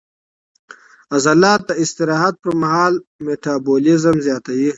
عضلات د استراحت پر مهال میټابولیزم زیاتوي.